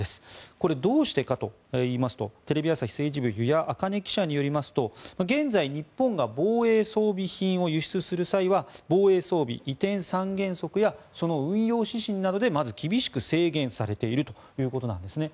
これ、どうしてかといいますとテレビ朝日政治部湯屋あかね記者によりますと現在、日本が防衛装備品を輸出する際は防衛装備移転三原則やその運用指針などでまず、厳しく制限されているということなんですね。